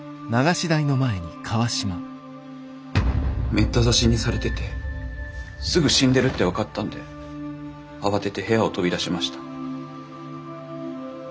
めった刺しにされててすぐ死んでるって分かったんで慌てて部屋を飛び出しました。